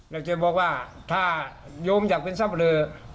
อยากจะบอกว่าถ้าย้มอยากเป็นสับปะเลอ